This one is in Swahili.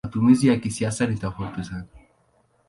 Matumizi ya kisasa ni tofauti sana.